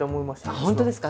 あっ本当ですか？